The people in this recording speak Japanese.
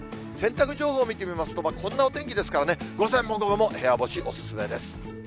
洗濯情報見てみますと、こんなお天気ですからね、午前も午後も部屋干しお勧めです。